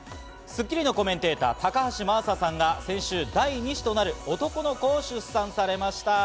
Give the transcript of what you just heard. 『スッキリ』のコメンテーター・高橋真麻さんが先週、第２子となる男の子を出産されました。